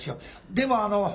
でもあのう